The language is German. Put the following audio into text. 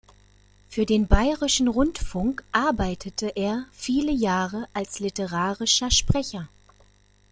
Für den Bayerischen Rundfunk arbeitete er viele Jahre als literarischer Sprecher.